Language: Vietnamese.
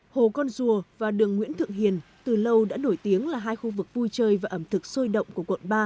hồ con dùa và đường nguyễn thượng hiền từ lâu đã nổi tiếng là hai khu vực vui chơi và ẩm thực sôi động của quận ba